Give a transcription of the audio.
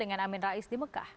dengan amin rais di mekah